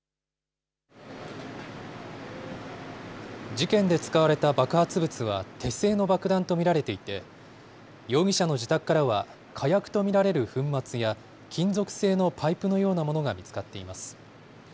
事件で使われた爆発物は手製の爆弾と見られていて、容疑者の自宅からは火薬と見られる粉末や、金属製のパイプのようなものが見つかっています。